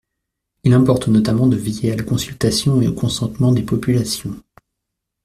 Il importe notamment de veiller à la consultation et au consentement des populations.